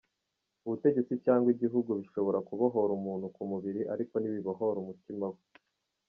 Ubutegetsi cyangwa igihugu bishobora kubohora umuntu ku mubiri ariko ntibibohora umutima we”.